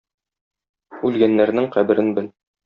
Үлгәннәрнең каберен бел...